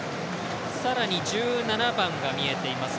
さらに１７番が見えています。